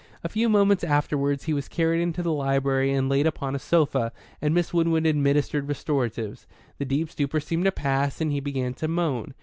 A few moments afterwards he was carried into the library and laid upon a sofa, and Miss Winwood administered restoratives. The deep stupor seemed to pass, and he began to moan.